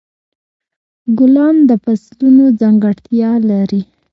ګلان د فصلونو ځانګړتیا لري.